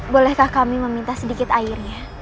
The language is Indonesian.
bolehkah kami meminta sedikit airnya